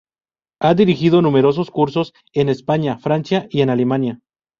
Ha dirigido numerosos cursos en España, Francia y en Alemania.